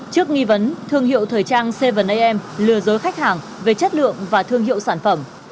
trước nghi vấn thương hiệu thời trang seven am lừa dối khách hàng về chất lượng và thương hiệu sản phẩm